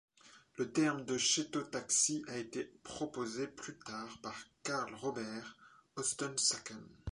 Le terme de chétotaxie a été proposé plus tard par Carl Robert Osten-Sacken.